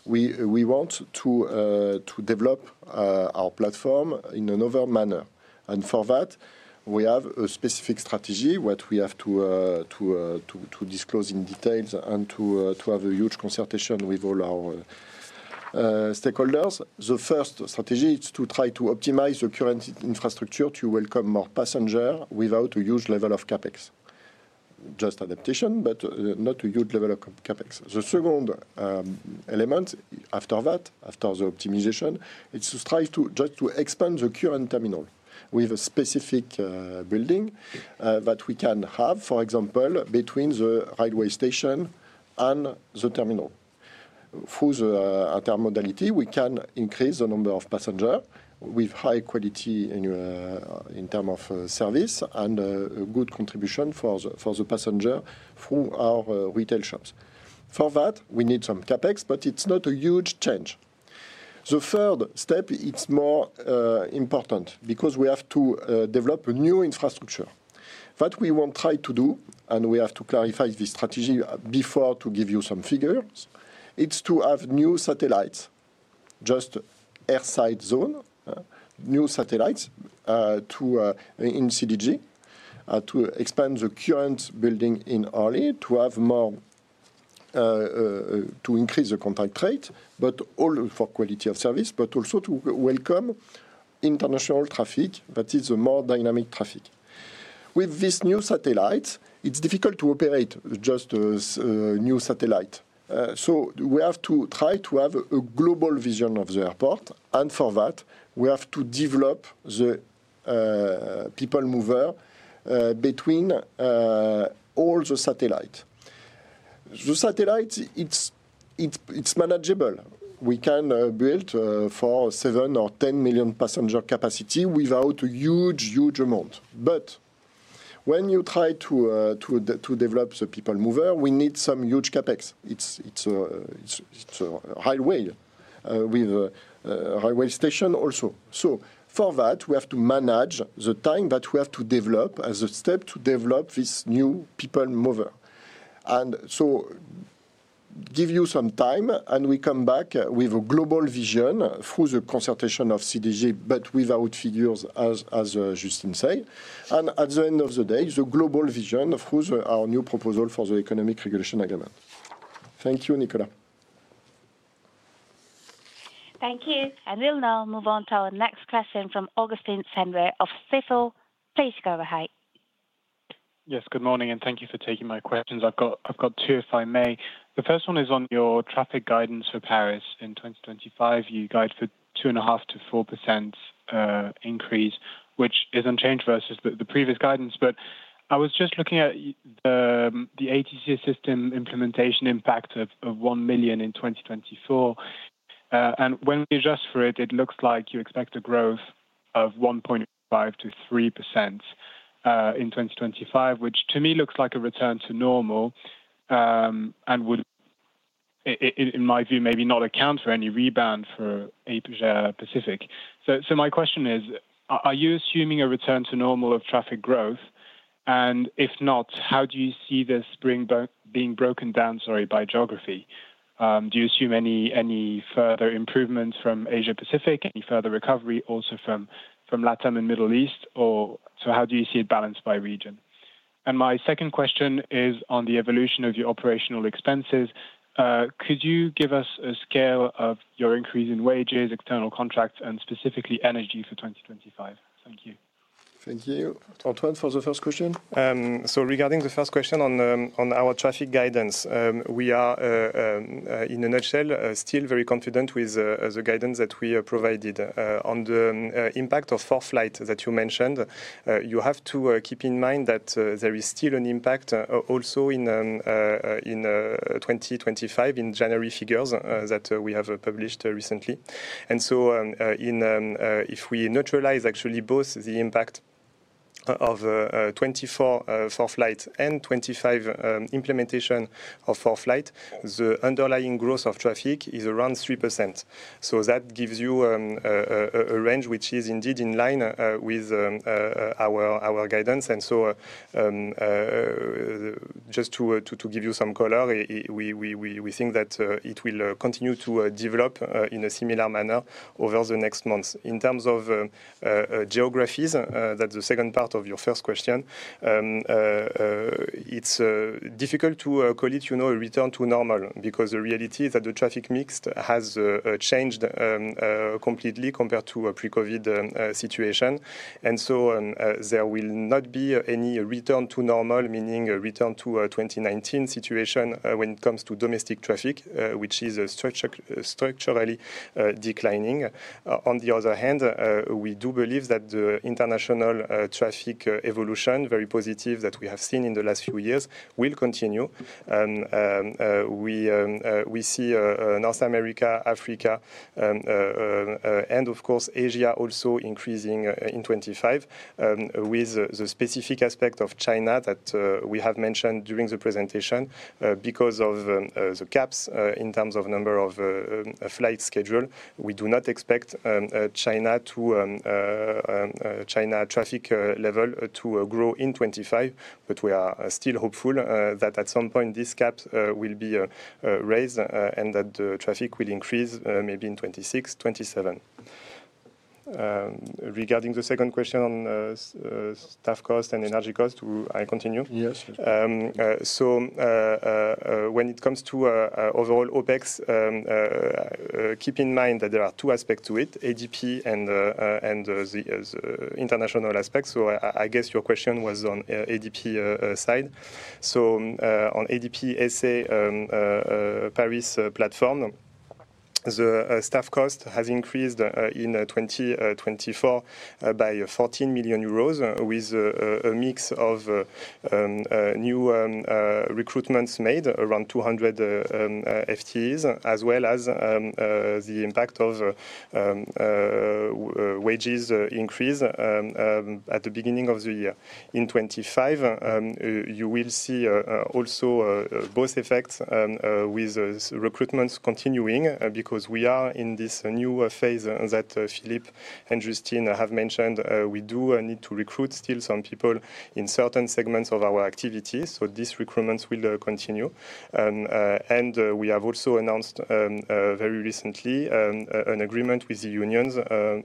B: we want to develop our platform in another manner. And for that, we have a specific strategy what we have to disclose in detail and to have a huge consultation with all our stakeholders. The first strategy is to try to optimize the current infrastructure to welcome more passengers without a huge level of CAPEX. Just adaptation, but not a huge level of CAPEX. The second element after that, after the optimization, is to try to just expand the current terminal with a specific building that we can have, for example, between the railway station and the terminal. Through the intermodality, we can increase the number of passengers with high quality in terms of service and a good contribution for the passenger through our retail shops. For that, we need some CAPEX, but it's not a huge change. The third step, it's more important because we have to develop a new infrastructure. What we won't try to do, and we have to clarify the strategy before to give you some figures, is to have new satellites, just airside zone, new satellites in CDG to expand the current building in Orly to have more to increase the contact rate, but also for quality of service, but also to welcome international traffic that is a more dynamic traffic. With this new satellite, it's difficult to operate just a new satellite, so we have to try to have a global vision of the airport, and for that, we have to develop the people mover between all the satellites. The satellites, it's manageable. We can build for seven or 10 million passenger capacity without a huge, huge amount, but when you try to develop the people mover, we need some huge CapEx. It's a highway with a highway station also. So for that, we have to manage the time that we have to develop as a step to develop this new people mover. And so give you some time, and we come back with a global vision through the consultation of CDG, but without figures, as Justine said. And at the end of the day, the global vision through our new proposal for the economic regulation agreement. Thank you, Nicolas.
E: Thank you, and we'll now move on to our next question from Augustin Cendre of Stifel Please go ahead.
M: Yes, good morning, and thank you for taking my questions. I've got two, if I may. The first one is on your traffic guidance for Paris in 2025. You guide for 2.5%-4% increase, which is unchanged versus the previous guidance. But I was just looking at the ATC system implementation impact of 1 million in 2024. And when we adjust for it, it looks like you expect a growth of 1.5%-3% in 2025, which to me looks like a return to normal and would, in my view, maybe not account for any rebound for Asia-Pacific. So my question is, are you assuming a return to normal of traffic growth? And if not, how do you see this being broken down, sorry, by geography? Do you assume any further improvements from Asia-Pacific, any further recovery also from Latin and Middle East? Or so how do you see it balanced by region? And my second question is on the evolution of your operational expenses. Could you give us a scale of your increase in wages, external contracts, and specifically energy for 2025? Thank you.
B: Thank you, Antoine, for the first question.
D: So regarding the first question on our traffic guidance, we are in a nutshell still very confident with the guidance that we provided. On the impact of 4-FLIGHT that you mentioned, you have to keep in mind that there is still an impact also in 2025 in January figures that we have published recently. And so if we neutralize actually both the impact of 2024 4-FLIGHT and 2025 implementation of 4-FLIGHT, the underlying growth of traffic is around 3%. So that gives you a range which is indeed in line with our guidance. And so just to give you some color, we think that it will continue to develop in a similar manner over the next months. In terms of geographies, that's the second part of your first question. It's difficult to call it a return to normal because the reality is that the traffic mix has changed completely compared to a pre-COVID situation, and so there will not be any return to normal, meaning a return to a 2019 situation when it comes to domestic traffic, which is structurally declining. On the other hand, we do believe that the international traffic evolution, very positive that we have seen in the last few years, will continue. We see North America, Africa, and of course, Asia also increasing in 2025 with the specific aspect of China that we have mentioned during the presentation. Because of the caps in terms of number of flight schedule, we do not expect China traffic level to grow in 2025, but we are still hopeful that at some point this cap will be raised and that the traffic will increase maybe in 2026, 2027. Regarding the second question on staff cost and energy cost, do I continue? Yes, so when it comes to overall OPEX, keep in mind that there are two aspects to it, ADP and the international aspect, so I guess your question was on ADP side, so on ADP SA Paris platform, the staff cost has increased in 2024 by 14 million euros with a mix of new recruitments made around 200 FTEs, as well as the impact of wages increase at the beginning of the year. In 2025, you will see also both effects with recruitments continuing because we are in this new phase that Philippe and Justine have mentioned. We do need to recruit still some people in certain segments of our activities, so these recruitments will continue, and we have also announced very recently an agreement with the unions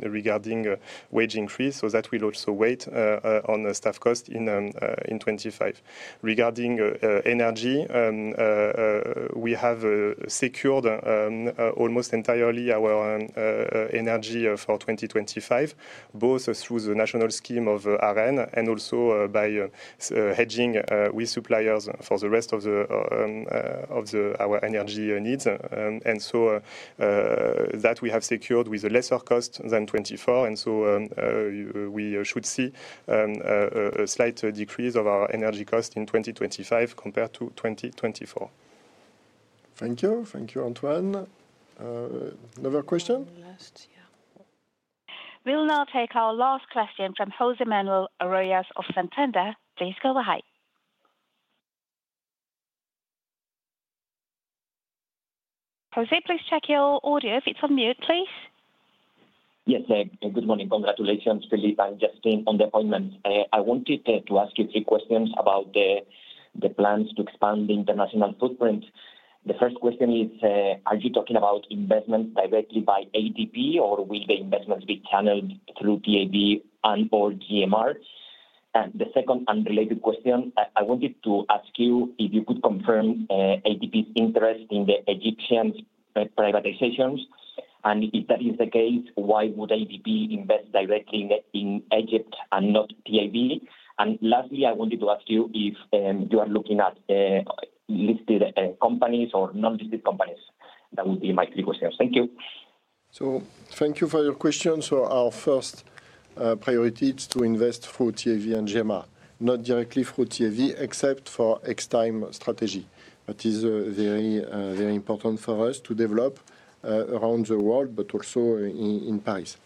D: regarding wage increase. So that will also weigh on staff cost in 2025. Regarding energy, we have secured almost entirely our energy for 2025, both through the national scheme of ARENH and also by hedging with suppliers for the rest of our energy needs. And so that we have secured with a lesser cost than 2024. And so we should see a slight decrease of our energy cost in 2025 compared to 2024. Thank you.
B: Thank you, Antoine. Another question?
E: We'll now take our last question from José Manuel Arroyas of Santander. Please go ahead. José, please check your audio if it's on mute, please.
N: Yes, good morning. Congratulations, Philippe and Justine, on the appointment. I wanted to ask you three questions about the plans to expand the international footprint. The first question is, are you talking about investments directly by ADP, or will the investments be channeled through TAV and/or GMR? And the second unrelated question, I wanted to ask you if you could confirm ADP's interest in the Egyptian privatizations. And if that is the case, why would ADP invest directly in Egypt and not TAV? And lastly, I wanted to ask you if you are looking at listed companies or non-listed companies. That would be my three questions. Thank you.
B: Thank you for your question. Our first priority is to invest through TAV and GMR, not directly through TAV, except for Extime strategy. That is very, very important for us to develop around the world, but also in Paris.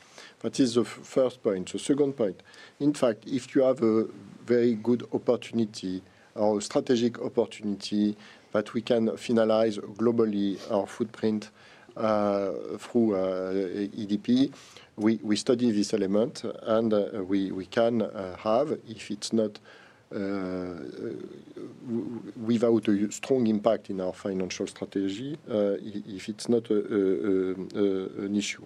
B: That is the first point. The second point, in fact, if you have a very good opportunity or strategic opportunity that we can finalize globally our footprint through ADP, we study this element and we can have, if it's not without a strong impact in our financial strategy, if it's not an issue.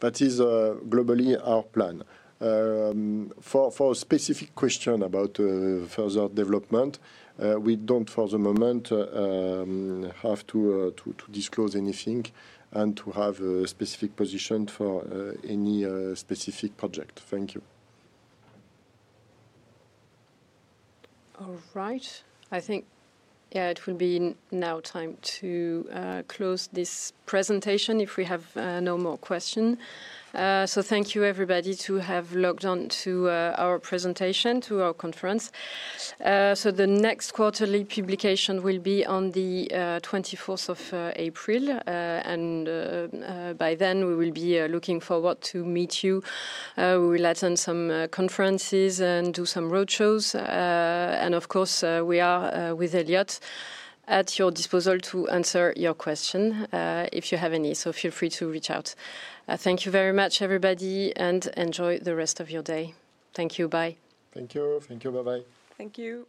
B: That is globally our plan. For a specific question about further development, we don't for the moment have to disclose anything and to have a specific position for any specific project. Thank you.
A: All right. I think it will be now time to close this presentation if we have no more questions. So thank you, everybody, to have logged on to our presentation, to our conference. So the next quarterly publication will be on the 24th of April. And by then, we will be looking forward to meet you. We will attend some conferences and do some roadshows. And of course, we are with Eliott at your disposal to answer your questions if you have any. So feel free to reach out. Thank you very much, everybody, and enjoy the rest of your day. Thank you. Bye.
B: Thank you. Thank you. Bye-bye.
D: Thank you.